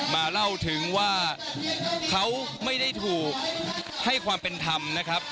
มาถึงว่าเขาไม่ได้ถูกให้ความเป็นธรรมนะครับ